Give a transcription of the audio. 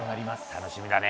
楽しみだね。